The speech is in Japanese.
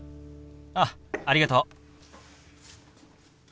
あっありがとう。